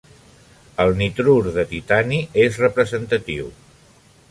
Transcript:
El nitrur de titani és representatiu.